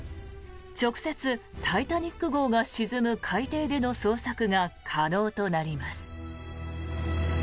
直接、「タイタニック号」が沈む海底での捜索が可能となります。